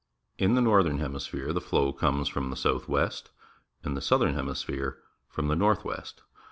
In the northern hemisphere, the flow comes from the south west ; in the southern hemisphere, from the north west.